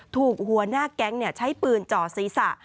หัวหน้าแก๊งใช้ปืนจ่อศีรษะ